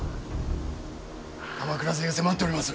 鎌倉勢が迫っております。